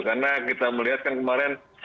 karena kita melihat kan kemarin